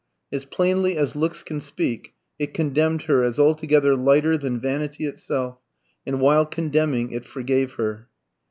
As plainly as looks can speak, it condemned her as altogether lighter than vanity itself; and while condemning, it forgave her.